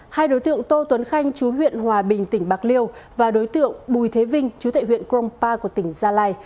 hai đối tượng tô tuấn khanh chú huyện hòa bình tỉnh bạc liêu và đối tượng bùi thế vinh chú tại huyện krongpa của tỉnh gia lai